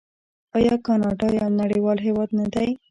آیا کاناډا یو نړیوال هیواد نه دی؟